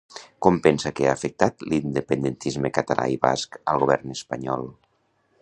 Com pensa que ha afectat l'independentisme català i basc al govern espanyol?